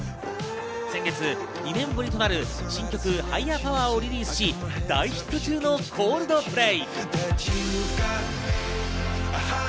先月２年ぶりとなる新曲『ＨｉｇｈｅｒＰｏｗｅｒ』をリリースし、大ヒット中のコールドプレイ。